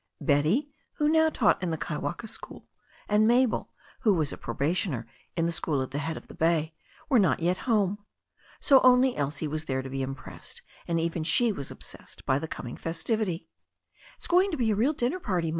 Betty, who now taught in the Kaiwaka school, and Mabel, who was a pro bationer in the school at the head of the bay, were not yet home. So that only Elsie was there to be impressed, and even she was obsessed by the coming festivity. "It's to be a real dinner party.